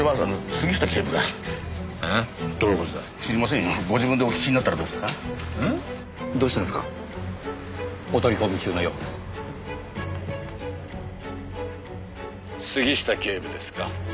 「杉下警部ですか？」